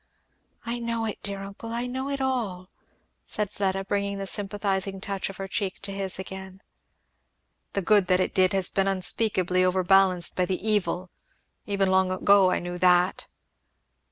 "I know it, dear uncle I know it all!" said Fleda, bringing the sympathizing touch of her cheek to his again. "The good that it did has been unspeakably overbalanced by the evil even long ago I knew that."